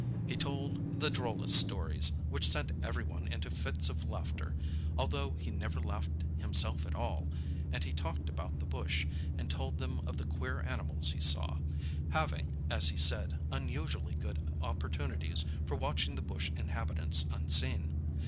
He told the drollest stories, which sent everyone into fits of laughter, although he never laughed himself at all; and he talked about the bush, and told them of the queer animals he saw—having, as he said, unusually good opportunities for watching the bush inhabitants unseen.